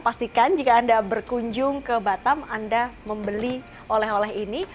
pastikan jika anda berkunjung ke batam anda membeli oleh oleh ini